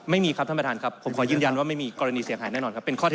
ไม่มีครับท่านประธานครับผมขอยืนยันว่าไม่มีกรณีเสียหายแน่นอนครับ